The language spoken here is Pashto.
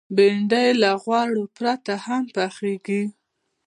بېنډۍ له غوړو پرته هم پخېږي